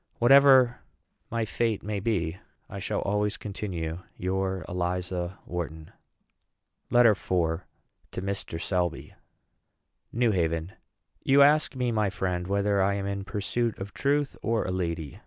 Whatever my fate may be, I shall always continue your ELIZA WHARTON. LETTER IV. TO MR. SELBY. NEW HAVEN. You ask me, my friend, whether I am in pursuit of truth, or a lady.